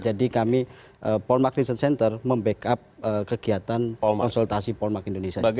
jadi kami polmark research center membackup kegiatan konsultasi polmark indonesia